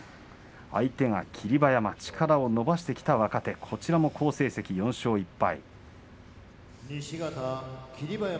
相手は霧馬山力を伸ばしてきた若手こちらも好成績４勝１敗。